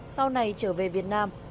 sau này trở về việt nam